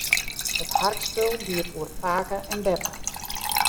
It harkspul giet oer pake en beppe.